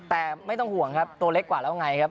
แต่ไม่ต้องห่วงครับตัวเล็กกว่าแล้วไงครับ